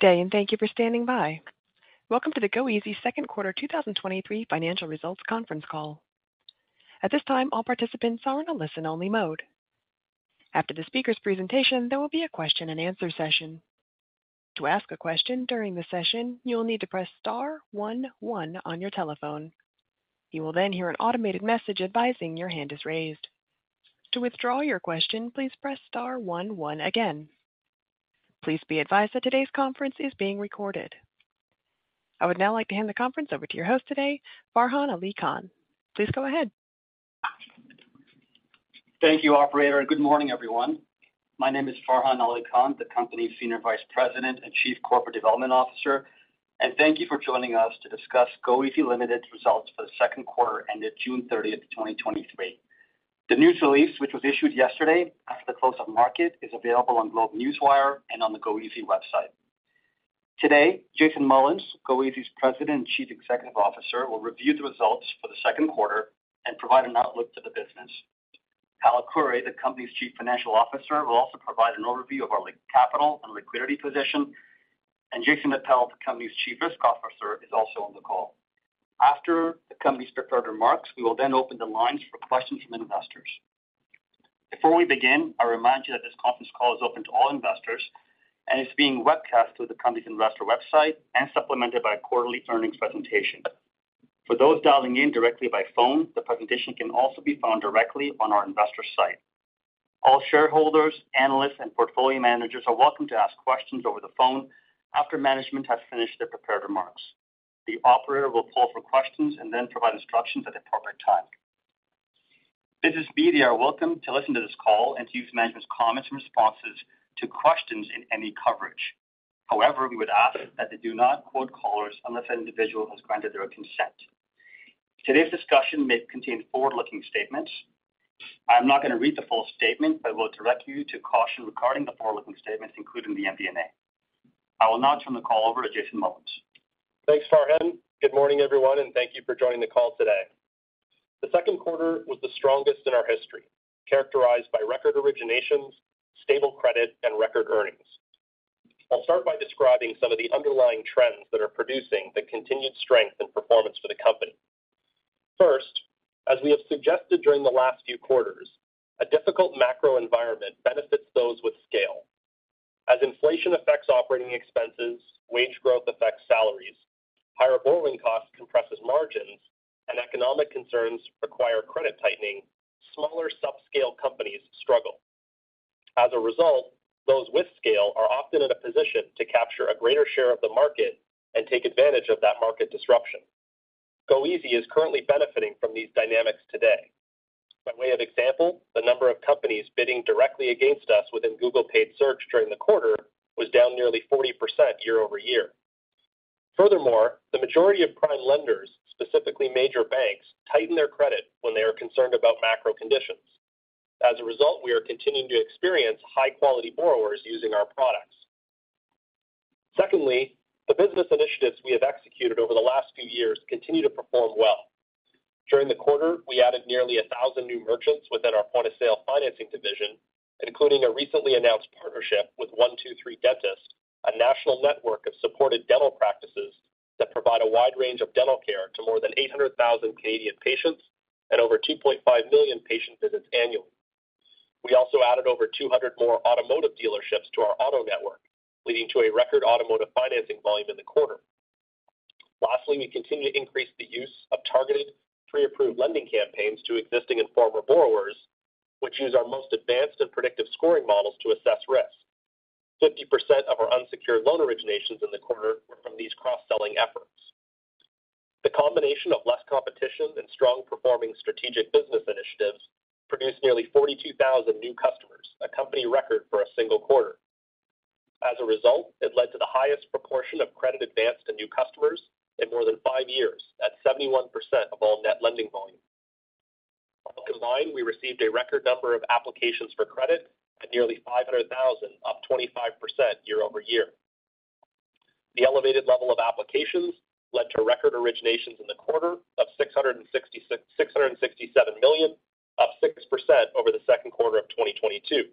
Good day, thank you for standing by. Welcome to the goeasy Second Quarter 2023 Financial Results Conference Call. At this time, all participants are in a listen-only mode. After the speaker's presentation, there will be a question-and-answer session. To ask a question during the session, you will need to press star one one on your telephone. You will hear an automated message advising your hand is raised. To withdraw your question, please press star one one again. Please be advised that today's conference is being recorded. I would now like to hand the conference over to your host today, Farhan Ali Khan. Please go ahead. Thank you, operator. Good morning, everyone. My name is Farhan Ali Khan, the company's Senior Vice President and Chief Corporate Development Officer. Thank you for joining us to discuss goeasy Ltd.'s results for the second quarter ended June 30th, 2023. The news release, which was issued yesterday after the close of market, is available on GlobeNewswire and on the goeasy website. Today, Jason Mullins, goeasy's President and Chief Executive Officer, will review the results for the second quarter and provide an outlook to the business. Hal Khouri, the company's Chief Financial Officer, will also provide an overview of our capital and liquidity position, and Jason Appel, the company's Chief Risk Officer, is also on the call. After the company's prepared remarks, we will then open the lines for questions from investors. Before we begin, I remind you that this conference call is open to all investors and is being webcast through the company's investor website and supplemented by a quarterly earnings presentation. For those dialing in directly by phone, the presentation can also be found directly on our investor site. All shareholders, analysts, and portfolio managers are welcome to ask questions over the phone after management has finished their prepared remarks. The operator will poll for questions and then provide instructions at the appropriate time. Business media are welcome to listen to this call and to use management's comments and responses to questions in any coverage. However, we would ask that they do not quote callers unless that individual has granted their consent. Today's discussion may contain forward-looking statements. I'm not going to read the full statement, but I will direct you to caution regarding the forward-looking statements, including the MD&A. I will now turn the call over to Jason Mullins. Thanks, Farhan. Good morning, everyone, and thank you for joining the call today. The second quarter was the strongest in our history, characterized by record originations, stable credit, and record earnings. I'll start by describing some of the underlying trends that are producing the continued strength and performance for the company. First, as we have suggested during the last few quarters, a difficult macro environment benefits those with scale. As inflation affects operating expenses, wage growth affects salaries, higher borrowing costs compresses margins, and economic concerns require credit tightening, smaller subscale companies struggle. As a result, those with scale are often in a position to capture a greater share of the market and take advantage of that market disruption. goeasy is currently benefiting from these dynamics today. By way of example, the number of companies bidding directly against us within Google paid search during the quarter was down nearly 40% year-over-year. Furthermore, the majority of prime lenders, specifically major banks, tighten their credit when they are concerned about macro conditions. As a result, we are continuing to experience high-quality borrowers using our products. Secondly, the business initiatives we have executed over the last few years continue to perform well. During the quarter, we added nearly 1,000 new merchants within our point-of-sale financing division, including a recently announced partnership with 123Dentist, a national network of supported dental practices that provide a wide range of dental care to more than 800,000 Canadian patients and over 2.5 million patient visits annually. We also added over 200 more automotive dealerships to our auto network, leading to a record automotive financing volume in the quarter. Lastly, we continue to increase the use of targeted, pre-approved lending campaigns to existing and former borrowers, which use our most advanced and predictive scoring models to assess risk. 50% of our unsecured loan originations in the quarter were from these cross-selling efforts. The combination of less competition and strong-performing strategic business initiatives produced nearly 42,000 new customers, a company record for a single quarter. As a result, it led to the highest proportion of credit advanced to new customers in more than five years, at 71% of all net lending volume. Combined, we received a record number of applications for credit at nearly 500,000, up 25% year-over-year. The elevated level of applications led to record originations in the quarter of 667 million, up 6% over the second quarter of 2022.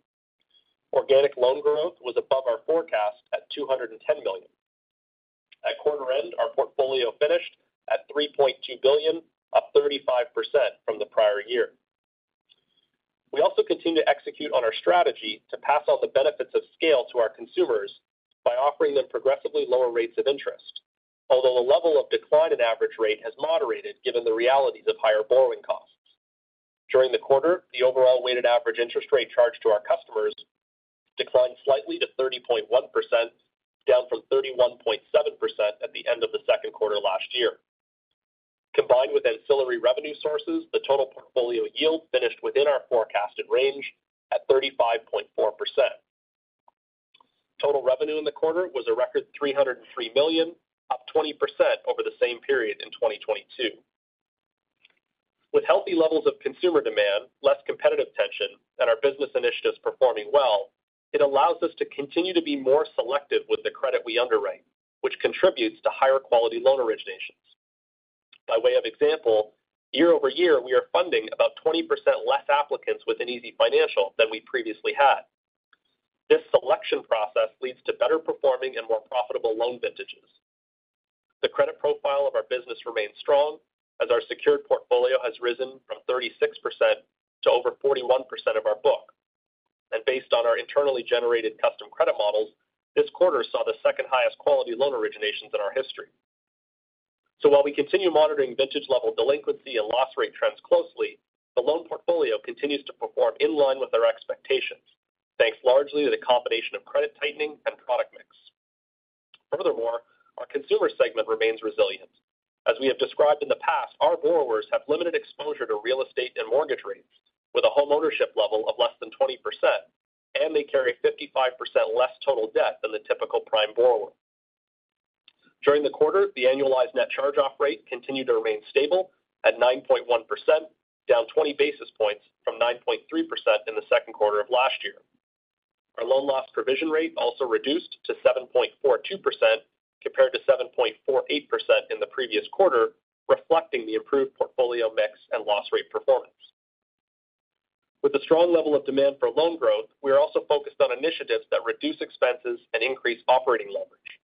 Organic loan growth was above our forecast at 210 million. At quarter end, our portfolio finished at 3.2 billion, up 35% from the prior year. We also continue to execute on our strategy to pass on the benefits of scale to our consumers by offering them progressively lower rates of interest, although the level of decline in average rate has moderated given the realities of higher borrowing costs. During the quarter, the overall weighted average interest rate charged to our customers declined slightly to 30.1%, down from 31.7% at the end of the second quarter last year. Combined with ancillary revenue sources, the total portfolio yield finished within our forecasted range at 35.4%. Total revenue in the quarter was a record CAD 303 million, up 20% over the same period in 2022. With healthy levels of consumer demand, less competitive tension, and our business initiatives performing well, it allows us to continue to be more selective with the credit we underwrite, which contributes to higher quality loan origination. By way of example, year-over-year, we are funding about 20% less applicants with an easyfinancial than we previously had. This selection process leads to better performing and more profitable loan vintages. The credit profile of our business remains strong, as our secured portfolio has risen from 36% to over 41% of our book. Based on our internally generated custom credit models, this quarter saw the second highest quality loan originations in our history. While we continue monitoring vintage-level delinquency and loss rate trends closely, the loan portfolio continues to perform in line with our expectations, thanks largely to the combination of credit tightening and product mix. Furthermore, our consumer segment remains resilient. As we have described in the past, our borrowers have limited exposure to real estate and mortgage rates, with a homeownership level of less than 20%, and they carry 55% less total debt than the typical prime borrower. During the quarter, the annualized net charge-off rate continued to remain stable at 9.1%, down 20 basis points from 9.3% in the second quarter of last year. Our loan loss provision rate also reduced to 7.42%, compared to 7.48% in the previous quarter, reflecting the improved portfolio mix and loss rate performance. With a strong level of demand for loan growth, we are also focused on initiatives that reduce expenses and increase operating leverage.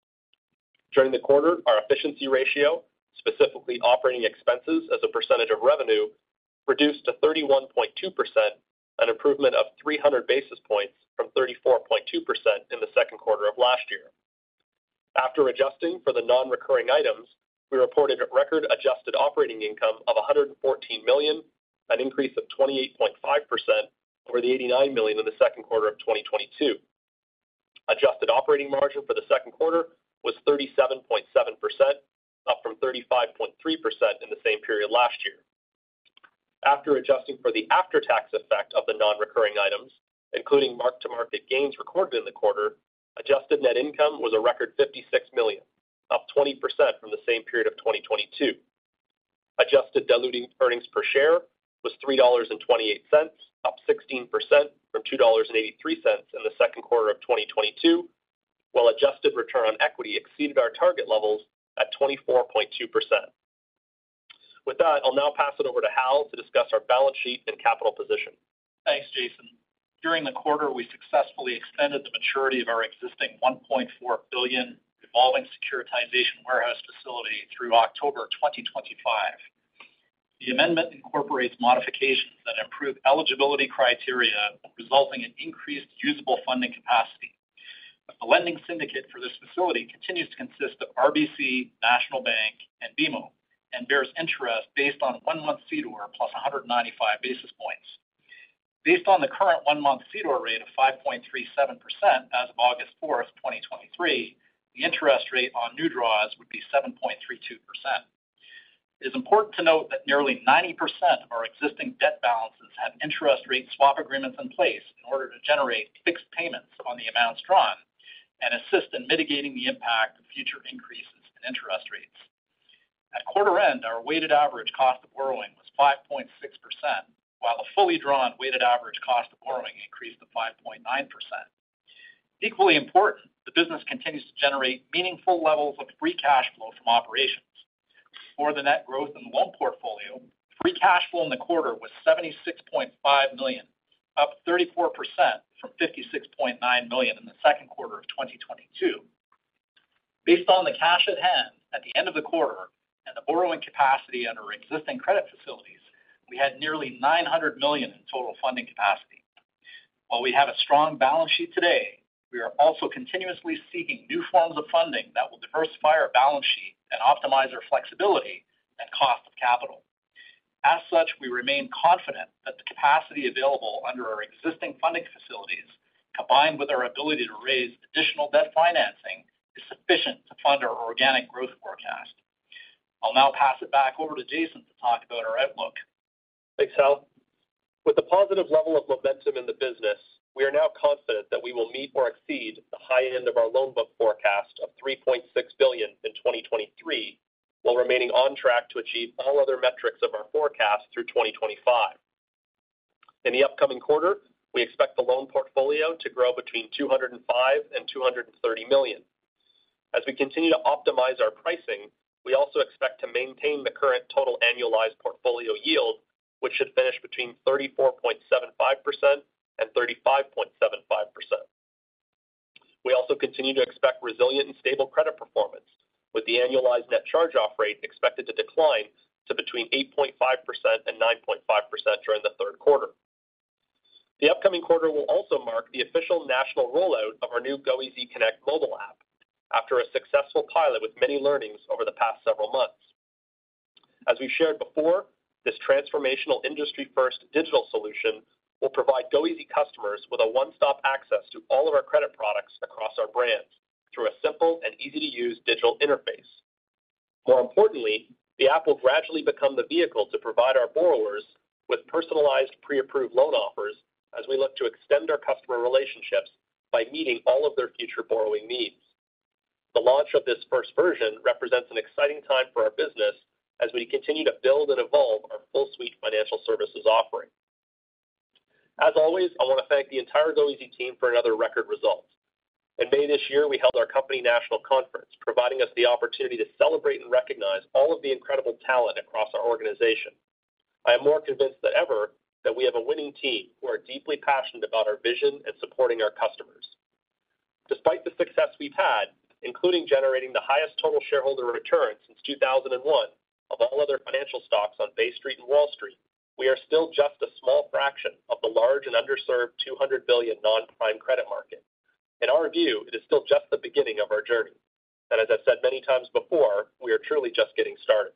During the quarter, our efficiency ratio, specifically operating expenses as a % of revenue, reduced to 31.2%, an improvement of 300 basis points from 34.2% in the second quarter of last year. After adjusting for the non-recurring items, we reported a record-adjusted operating income of 114 million, an increase of 28.5% over the 89 million in the second quarter of 2022. Adjusted operating margin for the second quarter was 37.7%, up from 35.3% in the same period last year. After adjusting for the after-tax effect of the non-recurring items, including mark-to-market gains recorded in the quarter, adjusted net income was a record 56 million, up 20% from the same period of 2022. Adjusted diluted earnings per share was 3.28 dollars, up 16% from 2.83 dollars in the second quarter of 2022, while adjusted return on equity exceeded our target levels at 24.2%. With that, I'll now pass it over to Hal to discuss our balance sheet and capital position. Thanks, Jason. During the quarter, we successfully extended the maturity of our existing 1.4 billion revolving securitization warehouse facility through October 2025. The amendment incorporates modifications that improve eligibility criteria, resulting in increased usable funding capacity. The lending syndicate for this facility continues to consist of RBC, National Bank, and BMO, and bears interest based on one-month CDOR plus 195 basis points. Based on the current one-month CDOR rate of 5.37% as of August 4, 2023, the interest rate on new draws would be 7.32%. It's important to note that nearly 90% of our existing debt balances have interest rate swap agreements in place in order to generate fixed payments on the amounts drawn and assist in mitigating the impact of future increases in interest rates. At quarter end, our weighted average cost of borrowing was 5.6%, while the fully drawn weighted average cost of borrowing increased to 5.9%. Equally important, the business continues to generate meaningful levels of free cash flow from operations. For the net growth in the loan portfolio, free cash flow in the quarter was 76.5 million, up 34% from 56.9 million in the second quarter of 2022. Based on the cash at hand at the end of the quarter and the borrowing capacity under existing credit facilities, we had nearly 900 million in total funding capacity. While we have a strong balance sheet today, we are also continuously seeking new forms of funding that will diversify our balance sheet and optimize our flexibility and cost of capital. As such, we remain confident that the capacity available under our existing funding facilities, combined with our ability to raise additional debt financing, is sufficient to fund our organic growth forecast. I'll now pass it back over to Jason to talk about our outlook. Thanks, Hal. With the positive level of momentum in the business, we are now confident that we will meet or exceed the high end of our loan book forecast of 3.6 billion in 2023, while remaining on track to achieve all other metrics of our forecast through 2025. In the upcoming quarter, we expect the loan portfolio to grow between 205 million and 230 million. As we continue to optimize our pricing, we also expect to maintain the current total annualized portfolio yield, which should finish between 34.75% and 35.75%. We also continue to expect resilient and stable credit performance, with the annualized net charge-off rate expected to decline to between 8.5% and 9.5% during the third quarter. The upcoming quarter will also mark the official national rollout of our new goeasy Connect mobile app, after a successful pilot with many learnings over the past several months. As we've shared before, this transformational industry-first digital solution will provide goeasy customers with a one-stop access to all of our credit products across our brands through a simple and easy-to-use digital interface. More importantly, the app will gradually become the vehicle to provide our borrowers with personalized, pre-approved loan offers as we look to extend our customer relationships by meeting all of their future borrowing needs. The launch of this first version represents an exciting time for our business as we continue to build and evolve our full suite financial services offering....As always, I want to thank the entire goeasy team for another record result. In May this year, we held our company national conference, providing us the opportunity to celebrate and recognize all of the incredible talent across our organization. I am more convinced than ever that we have a winning team who are deeply passionate about our vision and supporting our customers. Despite the success we've had, including generating the highest total shareholder return since 2001 of all other financial stocks on Bay Street and Wall Street, we are still just a small fraction of the large and underserved $200 billion non-prime credit market. In our view, it is still just the beginning of our journey, and as I've said many times before, we are truly just getting started.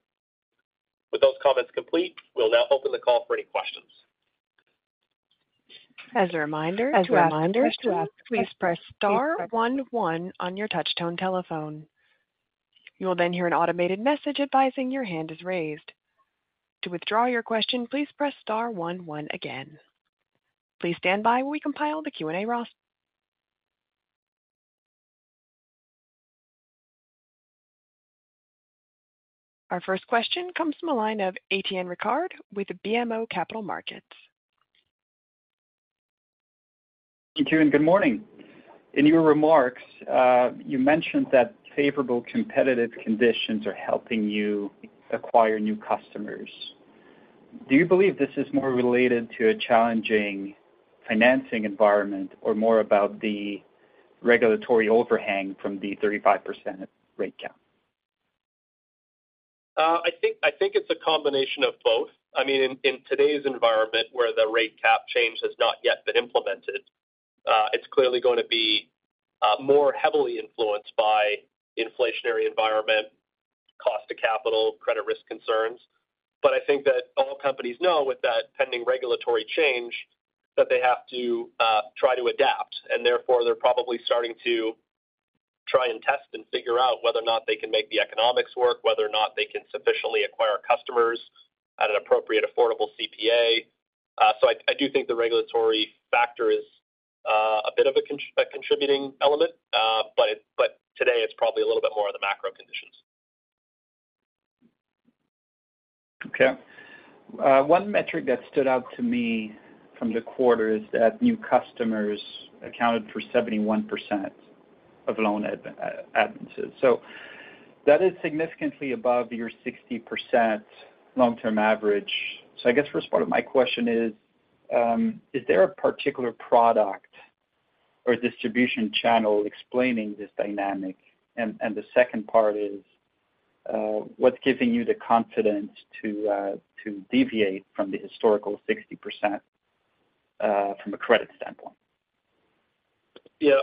With those comments complete, we'll now open the call for any questions. As a reminder, to ask questions, please press star one one on your touchtone telephone. You will then hear an automated message advising your hand is raised. To withdraw your question, please press star one one again. Please stand by we compile the Q&A. Our first question comes from the line of Étienne Ricard with BMO Capital Markets. Thank you, and good morning. In your remarks, you mentioned that favorable competitive conditions are helping you acquire new customers. Do you believe this is more related to a challenging financing environment or more about the regulatory overhang from the 35% rate cap? I think, I think it's a combination of both. I mean, in, in today's environment, where the rate cap change has not yet been implemented, it's clearly going to be more heavily influenced by inflationary environment, cost of capital, credit risk concerns. But I think that all companies know with that pending regulatory change, that they have to try to adapt, and therefore they're probably starting to try and test and figure out whether or not they can make the economics work, whether or not they can sufficiently acquire customers at an appropriate, affordable CPA. So I, I do think the regulatory factor is a bit of a contributing element, but, but today it's probably a little bit more on the macro conditions. Okay. One metric that stood out to me from the quarter is that new customers accounted for 71% of loan advances. That is significantly above your 60% long-term average. I guess first part of my question is, is there a particular product or distribution channel explaining this dynamic? The second part is, what's giving you the confidence to deviate from the historical 60% from a credit standpoint? Yeah.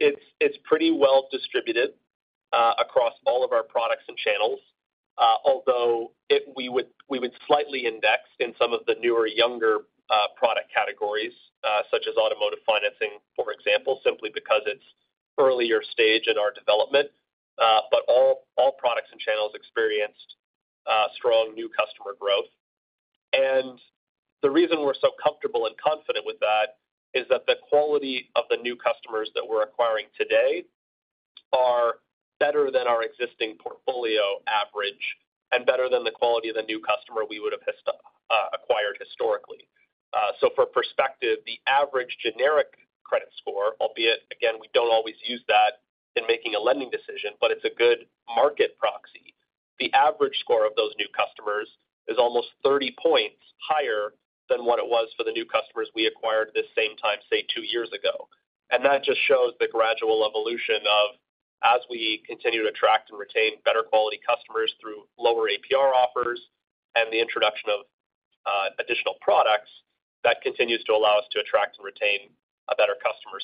It's, it's pretty well distributed across all of our products and channels. Although it we would, we would slightly index in some of the newer, younger product categories, such as automotive financing, for example, simply because it's earlier stage in our development. But all, all products and channels experienced strong new customer growth. The reason we're so comfortable and confident with that is that the quality of the new customers that we're acquiring today are better than our existing portfolio average and better than the quality of the new customer we would have acquired historically. For perspective, the average generic credit score, albeit, again, we don't always use that in making a lending decision, but it's a good market proxy. The average score of those new customers is almost 30 points higher than what it was for the new customers we acquired this same time, say, two years ago. That just shows the gradual evolution of as we continue to attract and retain better quality customers through lower APR offers and the introduction of additional products, that continues to allow us to attract and retain a better customer.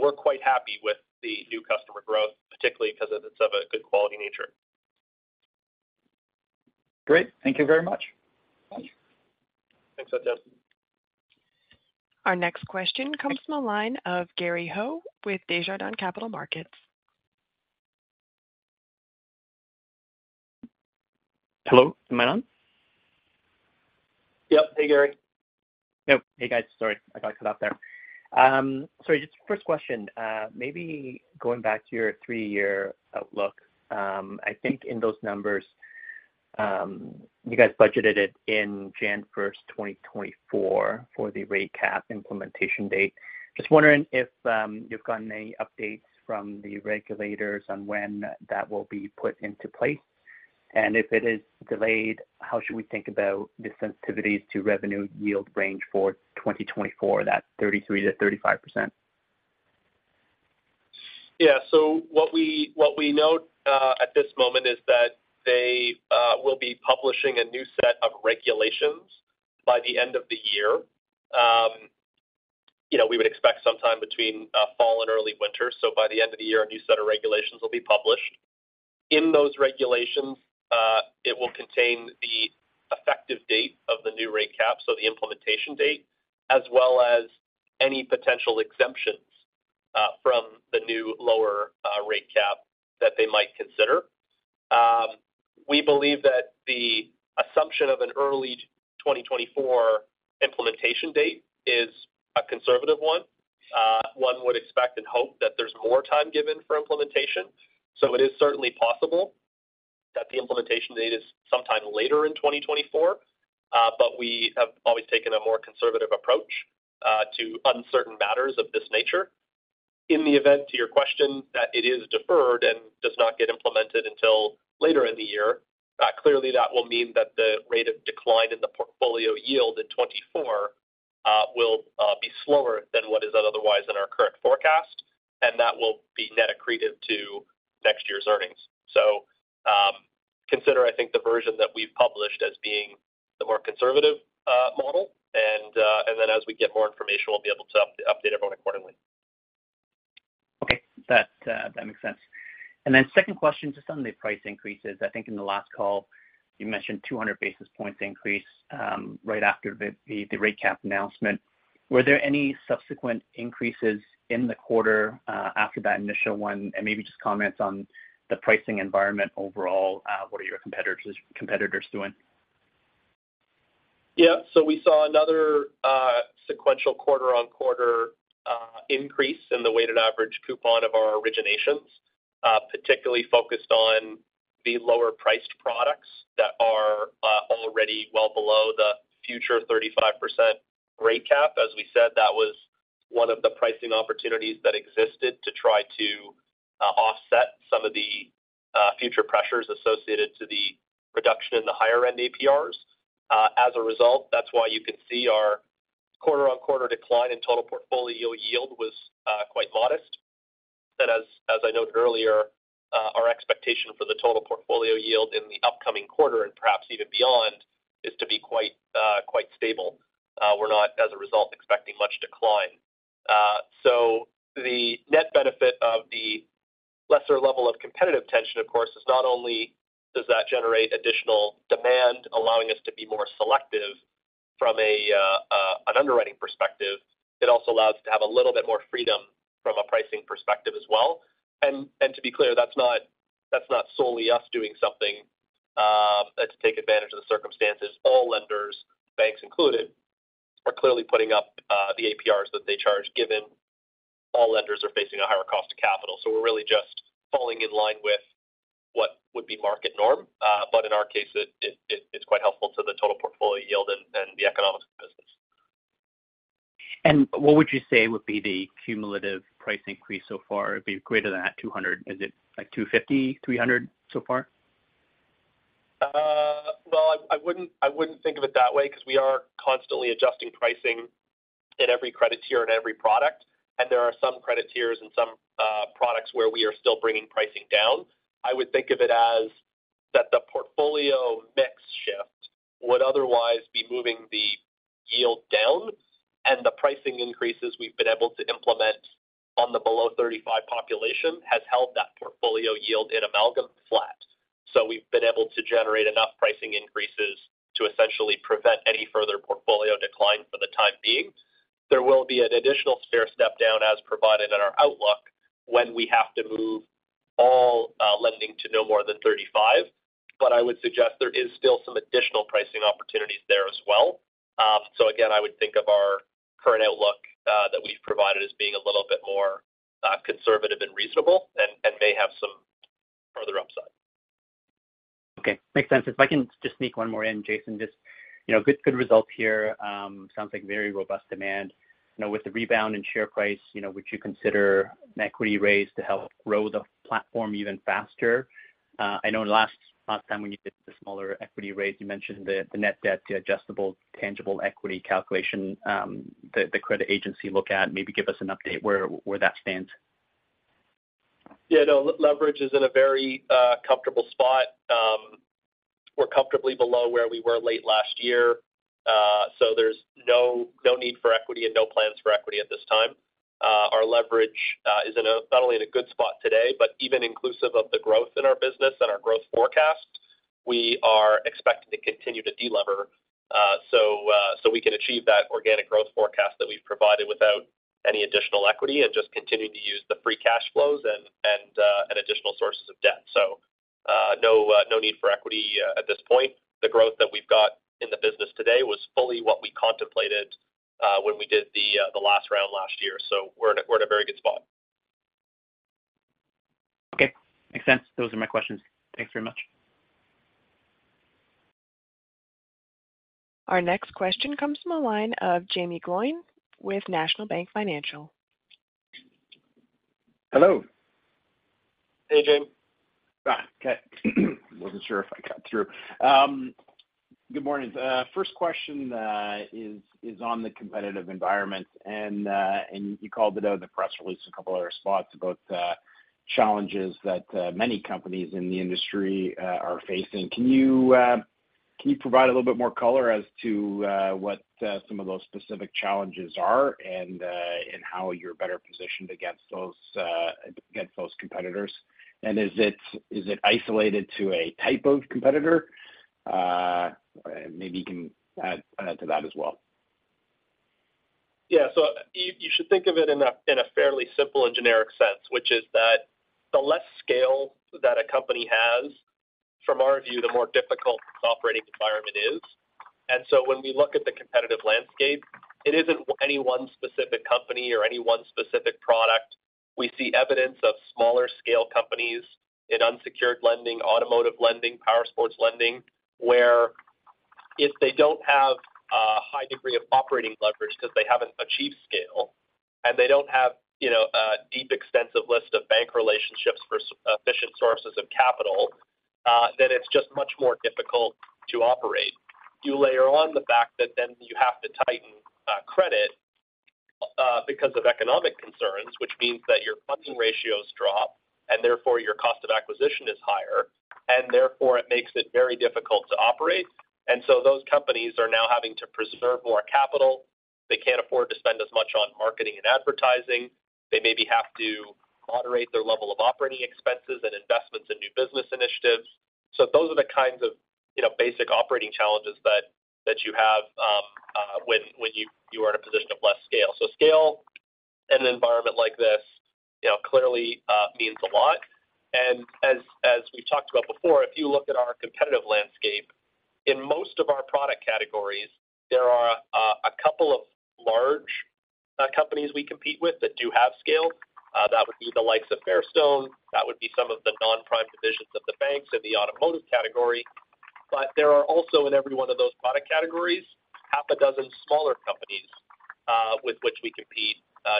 We're quite happy with the new customer growth, particularly 'cause it's of a good quality nature. Great. Thank you very much. Thanks. Thanks, Étienne. Our next question comes from the line of Gary Ho with Desjardins Capital Markets. Hello, am I on? Yep. Hey, Gary. Yep. Hey, guys. Sorry, I got cut off there. Just first question, maybe going back to your three-year outlook. I think in those numbers, you guys budgeted it in January 1st, 2024, for the rate cap implementation date. Just wondering if you've gotten any updates from the regulators on when that will be put into place. If it is delayed, how should we think about the sensitivities to revenue yield range for 2024, that 33%-35%? Yeah. What we, what we know, at this moment is that they will be publishing a new set of regulations by the end of the year. You know, we would expect sometime between fall and early winter. By the end of the year, a new set of regulations will be published. In those regulations, it will contain the effective date of the new rate cap, so the implementation date, as well as any potential exemptions from the new lower rate cap that they might consider. We believe that the assumption of an early 2024 implementation date is a conservative one. One would expect and hope that there's more time given for implementation, so it is certainly possible, that the implementation date is sometime later in 2024. We have always taken a more conservative approach to uncertain matters of this nature. In the event, to your question, that it is deferred and does not get implemented until later in the year, clearly that will mean that the rate of decline in the portfolio yield in 2024 will be slower than what is otherwise in our current forecast, and that will be net accretive to next year's earnings. Consider, I think, the version that we've published as being the more conservative model. Then as we get more information, we'll be able to update everyone accordingly. Okay, that makes sense. Second question, just on the price increases. I think in the last call, you mentioned 200 basis points increase right after the rate cap announcement. Were there any subsequent increases in the quarter after that initial one? Maybe just comment on the pricing environment overall, what are your competitors, competitors doing? Yeah. We saw another sequential quarter-on-quarter increase in the weighted average coupon of our originations, particularly focused on the lower-priced products that are already well below the future 35% rate cap. As we said, that was one of the pricing opportunities that existed to try to offset some of the future pressures associated to the reduction in the higher-end APRs. As a result, that's why you can see our quarter-on-quarter decline in total portfolio yield was quite modest. As, as I noted earlier, our expectation for the total portfolio yield in the upcoming quarter and perhaps even beyond, is to be quite stable. We're not, as a result, expecting much decline. The net benefit of the lesser level of competitive tension, of course, is not only does that generate additional demand, allowing us to be more selective from an underwriting perspective, it also allows us to have a little bit more freedom from a pricing perspective as well. To be clear, that's not, that's not solely us doing something to take advantage of the circumstances. All lenders, banks included, are clearly putting up the APRs that they charge, given all lenders are facing a higher cost of capital. We're really just falling in line with what would be market norm. In our case, it, it, it's quite helpful to the total portfolio yield and the economics of the business. What would you say would be the cumulative price increase so far? It'd be greater than that 200. Is it, like, 250, 300 so far? Well, I, I wouldn't, I wouldn't think of it that way, because we are constantly adjusting pricing in every credit tier and every product, and there are some credit tiers and some products where we are still bringing pricing down. I would think of it as that the portfolio mix shift would otherwise be moving the yield down, and the pricing increases we've been able to implement on the below 35 population has held that portfolio yield in amalgam flat. We've been able to generate enough pricing increases to essentially prevent any further portfolio decline for the time being. There will be an additional stair step down, as provided in our outlook, when we have to move all lending to no more than 35, I would suggest there is still some additional pricing opportunities there as well. Again, I would think of our current outlook, that we've provided as being a little bit more, conservative and reasonable and, and may have some further upside. Okay, makes sense. If I can just sneak one more in, Jason. Just, you know, good, good results here. Sounds like very robust demand. You know, with the rebound in share price, you know, would you consider an equity raise to help grow the platform even faster? I know last, last time when you did the smaller equity raise, you mentioned the, the net debt to adjusted tangible equity calculation, the, the credit agency look at. Maybe give us an update where, where that stands. No, leverage is in a very comfortable spot. We're comfortably below where we were late last year. There's no, no need for equity and no plans for equity at this time. Our leverage is not only in a good spot today, but even inclusive of the growth in our business and our growth forecast. We are expecting to continue to delever, so we can achieve that organic growth forecast that we've provided without any additional equity and just continue to use the free cash flows and additional sources of debt. No, no need for equity at this point. The growth that we've got in the business today was fully what we contemplated when we did the last round last year. We're in a very good spot. Okay, makes sense. Those are my questions. Thanks very much. Our next question comes from the line of Jamie Glynn with National Bank Financial. Hello. Hey, Jamie. Okay. Wasn't sure if I got through. Good morning. First question is on the competitive environment, and you called it out in the press release a couple other spots about the challenges that many companies in the industry are facing. Can you provide a little bit more color as to what some of those specific challenges are, and how you're better positioned against those against those competitors? Is it, is it isolated to a type of competitor? Maybe you can add, add to that as well. Yeah. You, you should think of it in a, in a fairly simple and generic sense, which is that the less scale that a company has, from our view, the more difficult its operating environment is. When we look at the competitive landscape, it isn't any one specific company or any one specific product. We see evidence of smaller-scale companies in unsecured lending, automotive lending, Powersports lending, where if they don't have a high degree of operating leverage because they haven't achieved scale, and they don't have, you know, a deep, extensive list of bank relationships for efficient sources of capital, then it's just much more difficult to operate. You layer on the fact that then you have to tighten credit because of economic concerns, which means that your funding ratios drop, and therefore your cost of acquisition is higher, and therefore it makes it very difficult to operate. Those companies are now having to preserve more capital. They can't afford to spend as much on marketing and advertising. They maybe have to moderate their level of operating expenses and investments in new business initiatives. Those are the kinds of, you know, basic operating challenges that, that you have when, when you, you are in a position of less scale. Scale in an environment like this, you know, clearly means a lot. As, as we talked about before, if you look at our competitive landscape, in most of our product categories, there are, a couple of large, companies we compete with that do have scale. That would be the likes of Fairstone, that would be some of the non-prime divisions of the banks in the automotive category. There are also, in every one of those product categories, half a dozen smaller companies, with which we compete,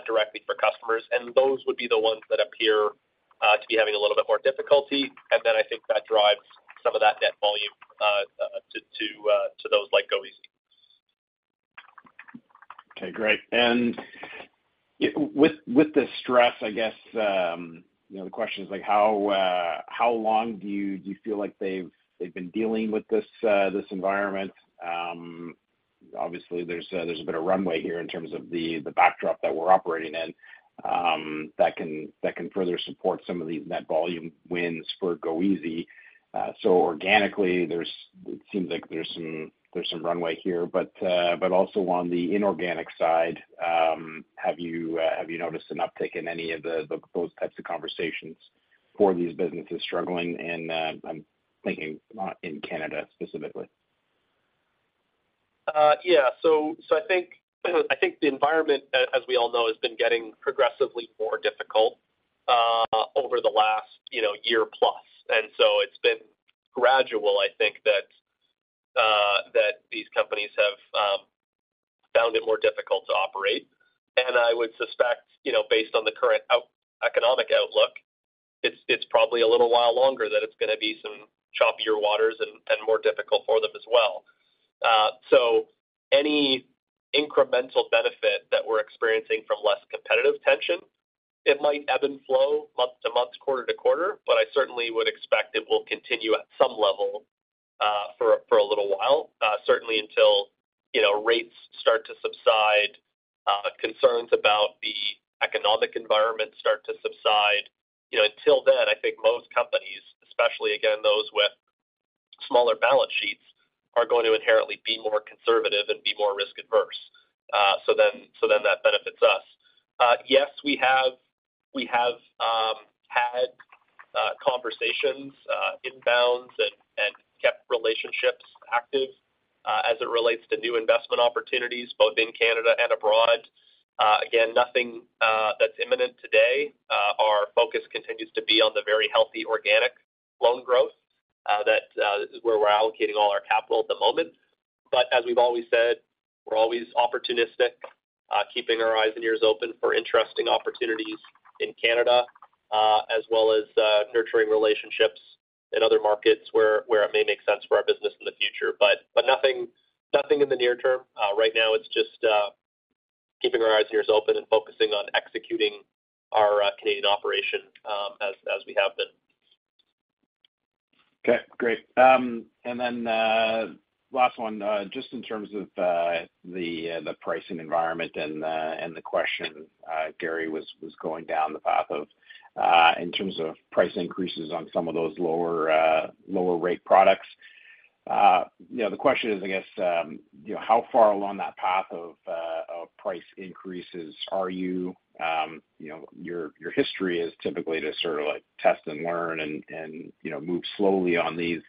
directly for customers, and those would be the ones that appear, to be having a little bit more difficulty. Then I think that drives some of that debt volume, to, to, to those like goeasy. Okay, great. Y- with, with the stress, I guess, you know, the question is like how long do you, do you feel like they've, they've been dealing with this environment? Obviously, there's a bit of runway here in terms of the backdrop that we're operating in that can further support some of these net volume wins for goeasy. Organically, it seems like there's some runway here. But also on the inorganic side, have you noticed an uptick in any of those types of conversations for these businesses struggling? I'm thinking in Canada specifically. Yeah. So I think, I think the environment, as we all know, has been getting progressively more difficult over the last, you know, year plus. It's been gradual, I think, that these companies have found it more difficult to operate. I would suspect, you know, based on the current economic outlook, it's, it's probably a little while longer that it's gonna be some choppier waters and, and more difficult for them as well. Any incremental benefit that we're experiencing from less competitive tension, it might ebb and flow month to month, quarter to quarter, but I certainly would expect it will continue at some level for, for a little while. Certainly until, you know, rates start to subside, concerns about the economic environment start to subside. You know, until then, I think most companies, especially again, those with smaller balance sheets, are going to inherently be more conservative and be more risk-averse. So then that benefits us. Yes, we have, we have had conversations, inbounds and kept relationships active, as it relates to new investment opportunities both in Canada and abroad. Again, nothing that's imminent today. Our focus continues to be on the very healthy organic loan growth that this is where we're allocating all our capital at the moment. But as we've always said, we're always opportunistic, keeping our eyes and ears open for interesting opportunities in Canada, as well as nurturing relationships in other markets where it may make sense for our business in the future. But nothing, nothing in the near term. Right now, it's just keeping our eyes and ears open and focusing on executing our Canadian operation, as, as we have been. Okay, great. Last one, just in terms of the pricing environment and the question Gary was going down the path of in terms of price increases on some of those lower, lower rate products. You know, the question is, I guess, you know, how far along that path of price increases are you? You know, your, your history is typically to sort of like, test and learn and, and, you know, move slowly on these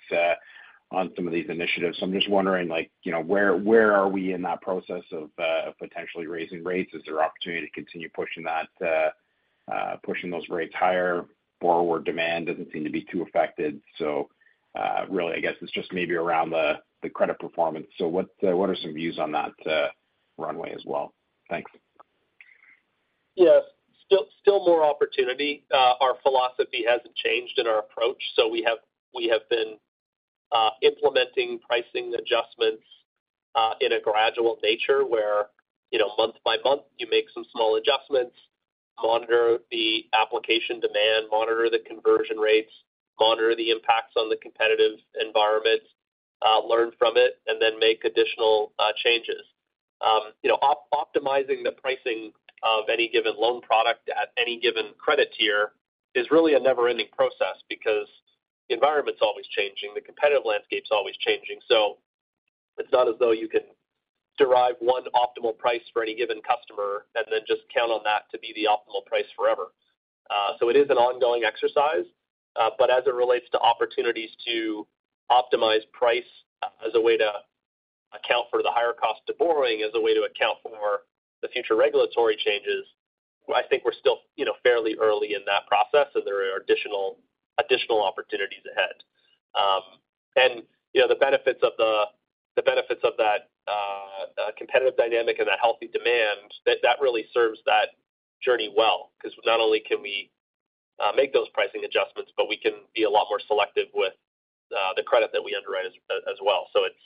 on some of these initiatives. I'm just wondering, like, you know, where, where are we in that process of potentially raising rates? Is there opportunity to continue pushing that pushing those rates higher? Borrower demand doesn't seem to be too affected. Really, I guess it's just maybe around the credit performance. What are some views on that runway as well? Thanks. Yeah. Still, still more opportunity. Our philosophy hasn't changed in our approach, so we have, we have been implementing pricing adjustments in a gradual nature, where, you know, month by month, you make some small adjustments, monitor the application demand, monitor the conversion rates, monitor the impacts on the competitive environment, learn from it, and then make additional changes. You know, optimizing the pricing of any given loan product at any given credit tier is really a never-ending process because the environment's always changing, the competitive landscape's always changing. It's not as though you can derive one optimal price for any given customer, and then just count on that to be the optimal price forever. It is an ongoing exercise, but as it relates to opportunities to optimize price as a way to-... account for the higher cost of borrowing as a way to account for the future regulatory changes. I think we're still, you know, fairly early in that process, so there are additional, additional opportunities ahead. And, you know, the benefits of the, the benefits of that, competitive dynamic and that healthy demand, that, that really serves that journey well. 'Cause not only can we, make those pricing adjustments, but we can be a lot more selective with, the credit that we underwrite as, as well. So it's,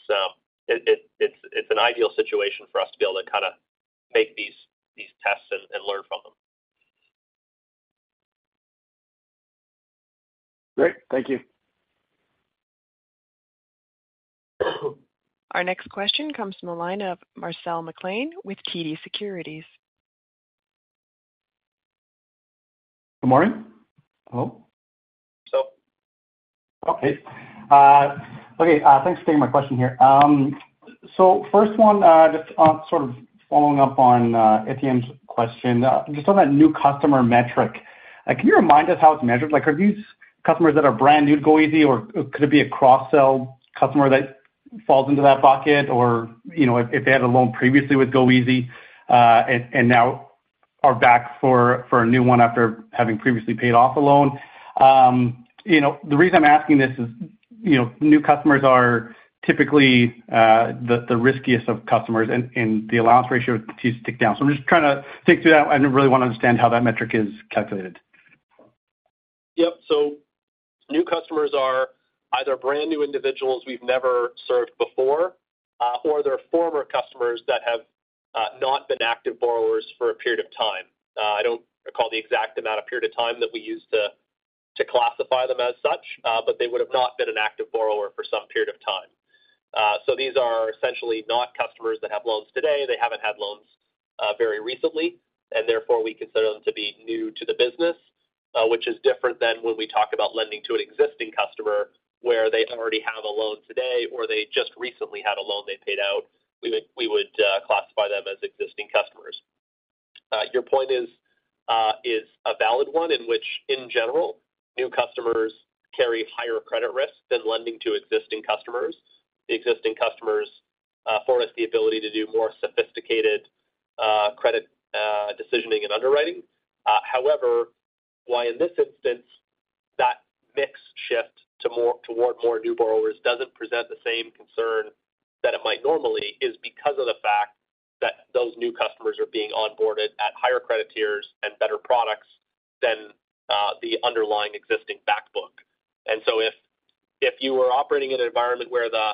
it, it, it's, it's an ideal situation for us to be able to kinda make these, these tests and, and learn from them. Great. Thank you. Our next question comes from the line of Marcel McLean with TD Securities. Good morning. Hello? What's up? Okay. Okay, thanks for taking my question here. First one, just sort of following up on Étienne's question, just on that new customer metric. Can you remind us how it's measured? Like, are these customers that are brand new to goeasy, or could it be a cross-sell customer that falls into that bucket? Or, you know, if, if they had a loan previously with goeasy, and now are back for a new one after having previously paid off a loan. You know, the reason I'm asking this is, you know, new customers are typically, the, the riskiest of customers, and the allowance ratio tends to tick down. I'm just trying to think through that. I really want to understand how that metric is calculated. Yep. New customers are either brand new individuals we've never served before, or they're former customers that have not been active borrowers for a period of time. I don't recall the exact amount of period of time that we use to, to classify them as such, but they would have not been an active borrower for some period of time. These are essentially not customers that have loans today. They haven't had loans very recently, and therefore we consider them to be new to the business, which is different than when we talk about lending to an existing customer, where they already have a loan today, or they just recently had a loan they paid out. We would, we would classify them as existing customers. Your point is, is a valid one, in which, in general, new customers carry higher credit risk than lending to existing customers. The existing customers afford us the ability to do more sophisticated credit decisioning and underwriting. However, why in this instance, that mix shift toward more new borrowers doesn't present the same concern that it might normally, is because of the fact that those new customers are being onboarded at higher credit tiers and better products than the underlying existing back book. So if, if you were operating in an environment where the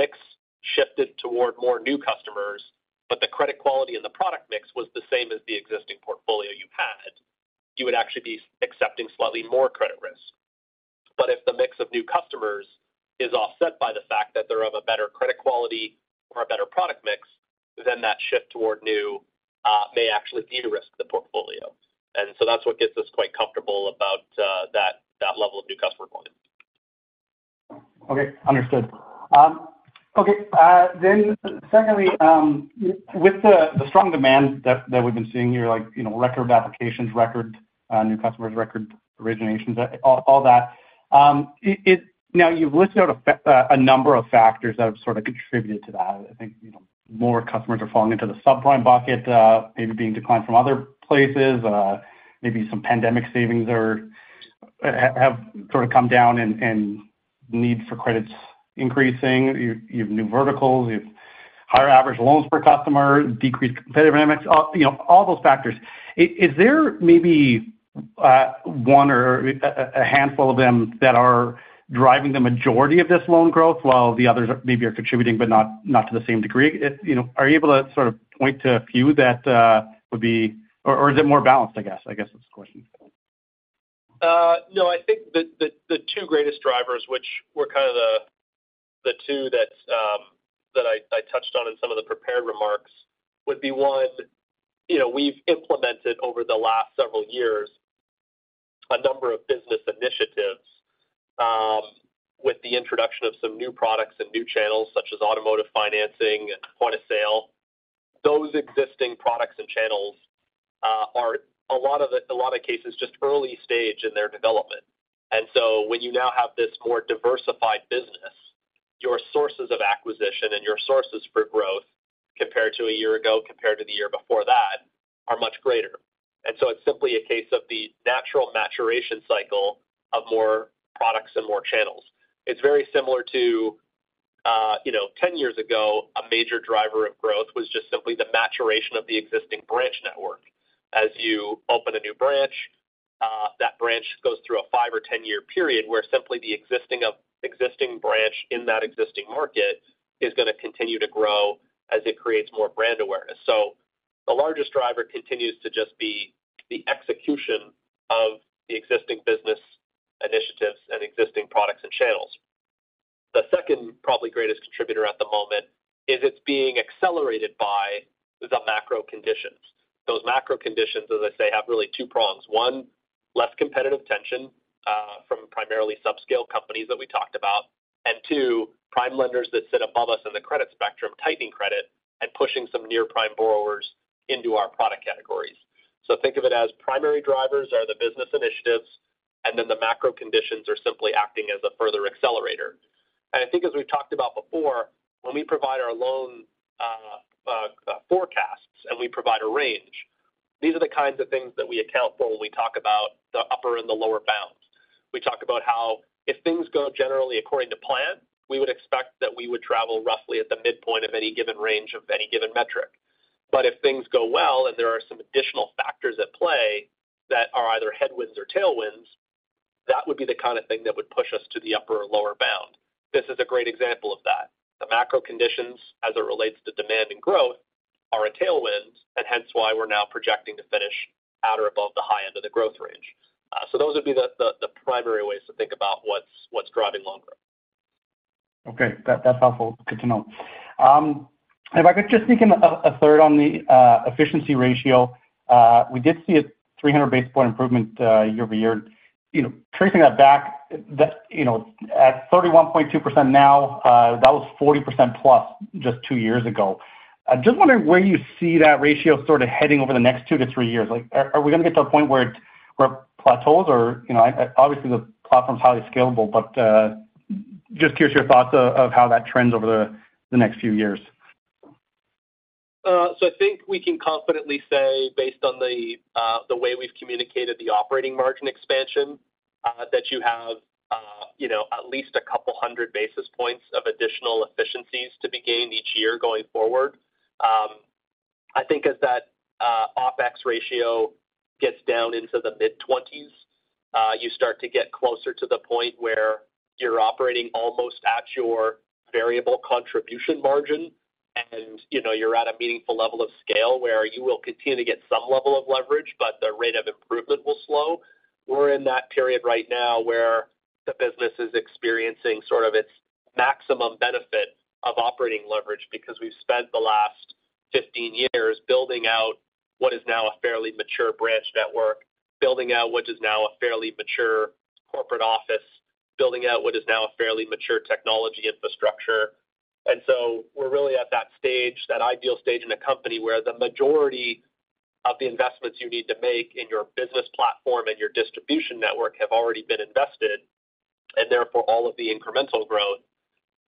mix shifted toward more new customers, but the credit quality and the product mix was the same as the existing portfolio you had, you would actually be accepting slightly more credit risk. If the mix of new customers is offset by the fact that they're of a better credit quality or a better product mix, then that shift toward new may actually de-risk the portfolio. That's what gets us quite comfortable about that, that level of new customer quality. Okay, understood. Okay, with the strong demand that we've been seeing here, like, you know, record applications, record new customers, record originations, all, all that. Now, you've listed out a number of factors that have sort of contributed to that. I think, you know, more customers are falling into the subprime bucket, maybe being declined from other places, maybe some pandemic savings are have sort of come down and need for credit's increasing. You have new verticals, you have higher average loans per customer, decreased competitive dynamics, you know, all those factors. Is there maybe one or a handful of them that are driving the majority of this loan growth, while the others maybe are contributing, but not to the same degree? You know, are you able to sort of point to a few that would be? Or is it more balanced, I guess? I guess, is the question. No, I think the, the, the two greatest drivers, which were kind of the, the two that, that I, I touched on in some of the prepared remarks, would be, one, you know, we've implemented over the last several years, a number of business initiatives, with the introduction of some new products and new channels such as automotive financing, point-of-sale. Those existing products and channels, are a lot of cases, just early stage in their development. When you now have this more diversified business, your sources of acquisition and your sources for growth compared to a year ago, compared to the year before that, are much greater. It's simply a case of the natural maturation cycle of more products and more channels. It's very similar to, you know, 10 years ago, a major driver of growth was just simply the maturation of the existing branch network. As you open a new branch, that branch goes through a five- or 10-year period, where simply the existing existing branch in that existing market is gonna continue to grow as it creates more brand awareness. The largest driver continues to just be the execution of the existing business initiatives and existing products and channels. The second, probably greatest contributor at the moment, is it's being accelerated by the macro conditions. Those macro conditions, as I say, have really two prongs. One, less competitive tension, from primarily sub-scale companies that we talked about. Two, prime lenders that sit above us in the credit spectrum, tightening credit and pushing some near-prime borrowers into our product categories. Think of it as primary drivers are the business initiatives. Then the macro conditions are simply acting as a further accelerator. I think as we've talked about before, when we provide our loan, forecasts and we provide a range, these are the kinds of things that we account for when we talk about the upper and the lower bounds. We talk about how if things go generally according to plan, we would expect that we would travel roughly at the midpoint of any given range of any given metric. If things go well, and there are some additional factors at play that are either headwinds or tailwinds, that would be the kind of thing that would push us to the upper or lower bound. This is a great example of that. The macro conditions, as it relates to demand and growth, are a tailwind, and hence why we're now projecting to finish at or above the high end of the growth range. Those would be the, the, the primary ways to think about what's, what's driving loan growth. Okay, that's helpful. Good to know. If I could just sneak in a third on the efficiency ratio. We did see a 300 basis point improvement year-over-year. You know, tracing that back, you know, at 31.2% now, that was 40% + just two years ago. I'm just wondering where you see that ratio sort of heading over the next two to three years. Like, are we gonna get to a point where it plateaus? Or, you know, obviously, the platform is highly scalable, but just curious your thoughts of how that trends over the next few years. I think we can confidently say, based on the way we've communicated the operating margin expansion, that you have, you know, at least 200 basis points of additional efficiencies to be gained each year going forward. I think as that OpEx ratio gets down into the mid-20s, you start to get closer to the point where you're operating almost at your variable contribution margin. You know, you're at a meaningful level of scale where you will continue to get some level of leverage, but the rate of improvement will slow. We're in that period right now where the business is experiencing sort of its maximum benefit of operating leverage because we've spent the last 15 years building out what is now a fairly mature branch network, building out what is now a fairly mature corporate office, building out what is now a fairly mature technology infrastructure. We're really at that stage, that ideal stage in a company where the majority of the investments you need to make in your business platform and your distribution network have already been invested, and therefore, all of the incremental growth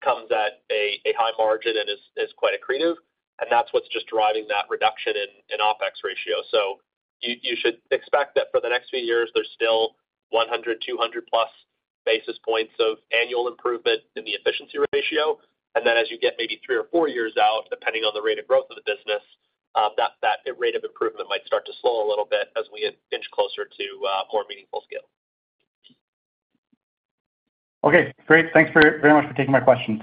comes at a, a high margin and is, is quite accretive, and that's what's just driving that reduction in, in OpEx ratio. You, you should expect that for the next few years, there's still 100, 200+ basis points of annual improvement in the efficiency ratio. Then as you get maybe three or four years out, depending on the rate of growth of the business, that, that rate of improvement might start to slow a little bit as we inch closer to, more meaningful scale. Okay, great. Thanks very much for taking my questions.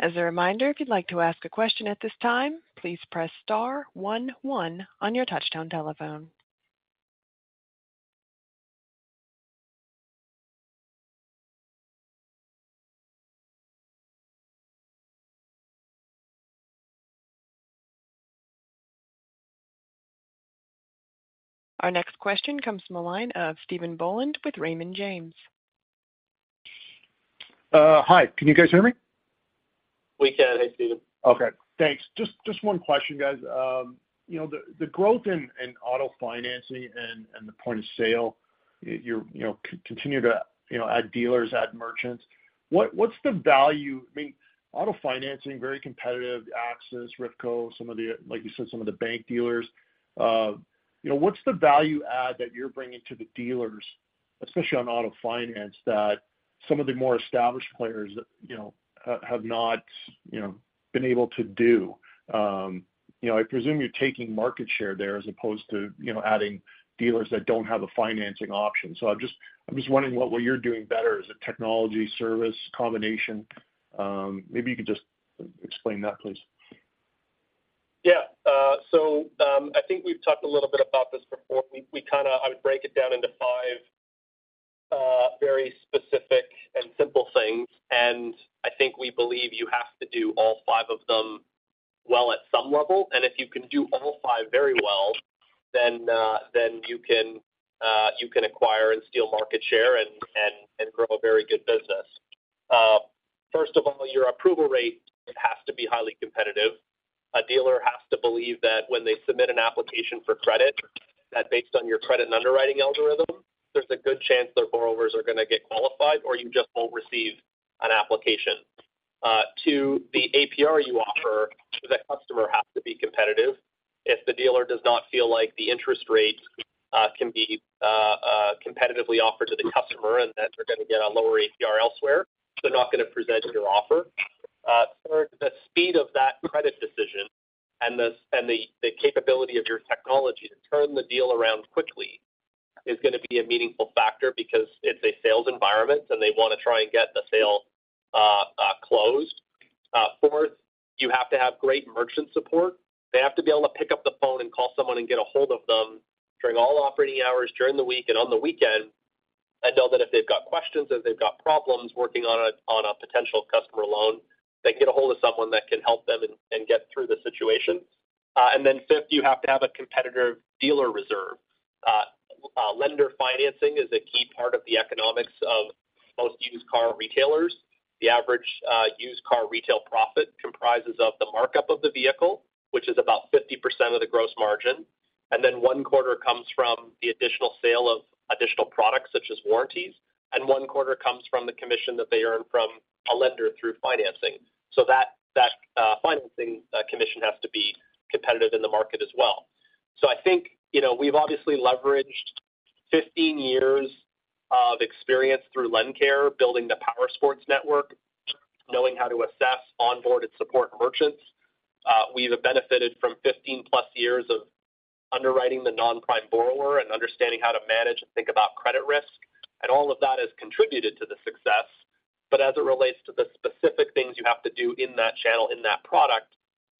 As a reminder, if you'd like to ask a question at this time, please press star one, one on your touchtone telephone. Our next question comes from the line of Stephen Boland with Raymond James. Hi, can you guys hear me? We can. I see you. Okay, thanks. Just, just one question, guys. You know, the, the growth in, in auto financing and, and the point-of-sale, you, you know, continue to, you know, add dealers, add merchants. What, what's the value... I mean, auto financing, very competitive, Axis, Rifco, some of the, like you said, some of the bank dealers. You know, what's the value add that you're bringing to the dealers, especially on auto finance, that some of the more established players that, you know, have, have not, you know, been able to do? You know, I presume you're taking market share there as opposed to, you know, adding dealers that don't have a financing option. I'm just, I'm just wondering what, what you're doing better as a technology service combination. Maybe you could just explain that, please. Yeah, I think we've talked a little bit about this before. We, we kinda, I would break it down into five very specific and simple things, and I think we believe you have to do all five of them well at some level. If you can do all five very well, then, then you can acquire and steal market share and, and, and grow a very good business. First of all, your approval rate has to be highly competitive. A dealer has to believe that when they submit an application for credit, that based on your credit and underwriting algorithm, there's a good chance their borrowers are gonna get qualified, or you just won't receive an application. Two, the APR you offer to the customer has to be competitive. If the dealer does not feel like the interest rate can be competitively offered to the customer and that they're gonna get a lower APR elsewhere, they're not gonna present your offer. Third, the speed of that credit decision and the capability of your technology to turn the deal around quickly is gonna be a meaningful factor because it's a sales environment, and they want to try and get the sale closed. Fourth, you have to have great merchant support. They have to be able to pick up the phone and call someone and get a hold of them during all operating hours, during the week and on the weekend, and know that if they've got questions and they've got problems working on a potential customer loan, they get a hold of someone that can help them and get through the situation. Then fifth, you have to have a competitive dealer reserve. Lender financing is a key part of the economics of most used car retailers. The average used car retail profit comprises of the markup of the vehicle, which is about 50% of the gross margin, and then one quarter comes from the additional sale of additional products, such as warranties, and one quarter comes from the commission that they earn from a lender through financing. That, that financing commission has to be competitive in the market as well. I think, you know, we've obviously leveraged 15 years of experience through LendCare, building the Powersports network, knowing how to assess, onboard, and support merchants. We've benefited from 15+ years of underwriting the non-prime borrower and understanding how to manage and think about credit risk, and all of that has contributed to the success. As it relates to the specific things you have to do in that channel, in that product,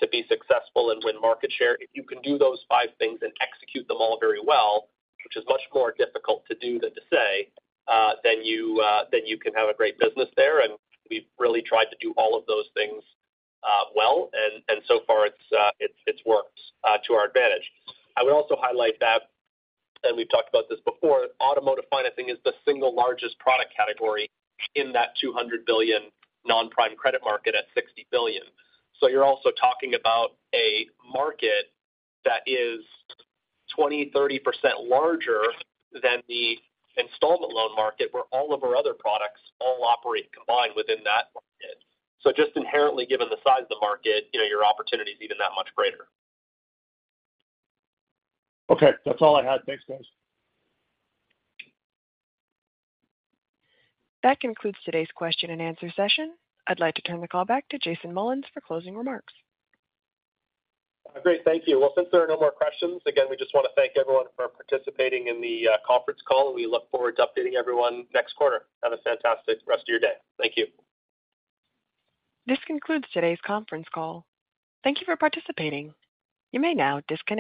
to be successful and win market share, if you can do those five things and execute them all very well, which is much more difficult to do than to say, then you, then you can have a great business there, and we've really tried to do all of those things, well, and, and so far it's, it's, it's worked, to our advantage. I would also highlight that, and we've talked about this before, automotive financing is the single largest product category in that 200 billion non-prime credit market at 60 billion. You're also talking about a market that is 20%-30% larger than the installment loan market, where all of our other products all operate combined within that market. Just inherently, given the size of the market, you know, your opportunity is even that much greater. Okay. That's all I had. Thanks, guys. That concludes today's question and answer session. I'd like to turn the call back to Jason Mullins for closing remarks. Great. Thank you. Well, since there are no more questions, again, we just want to thank everyone for participating in the conference call. We look forward to updating everyone next quarter. Have a fantastic rest of your day. Thank you. This concludes today's conference call. Thank you for participating. You may now disconnect.